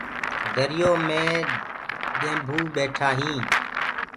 دريو مي ڏيمڀُو ٻيٺآ هينٚ۔